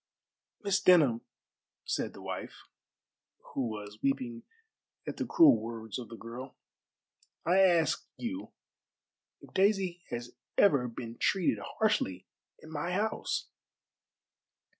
"Miss Denham," said the wife, who was weeping at the cruel words of the girl, "I ask you if Daisy has ever been treated harshly in my house?"